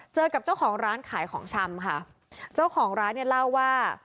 เจอกับเจ้าของร้านขายของชำค่ะเจ้าของร้านเนี่ยเล่าว่า